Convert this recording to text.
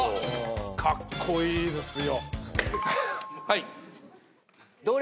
カッコイイですよ。